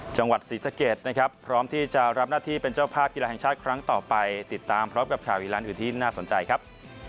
จังหวัดศรีสะเกดนะครับพร้อมที่จะรับหน้าที่เป็นเจ้าภาพกีฬาแห่งชาติครั้งต่อไปติดตามพร้อมกับข่าวอีลันอื่นที่น่าสนใจครับ